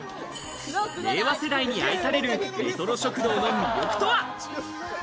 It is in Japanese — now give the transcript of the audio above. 令和世代に愛されるレトロ食堂の魅力とは？